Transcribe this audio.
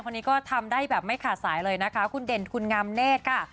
คนนี้ก็ทำได้แบบไม่ขาดสายเลยนะคะคุณเด่นคุณงามเนธค่ะ